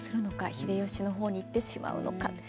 秀吉の方にいってしまうのか。